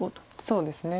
そうですね。